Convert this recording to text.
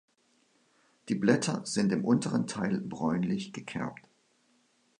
Die Blätter sind im unteren Teil bräunlich gekerbt.